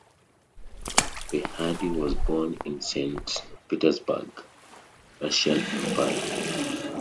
Bernhardi was born in Saint Petersburg, Russian Empire.